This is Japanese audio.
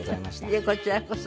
いえこちらこそ。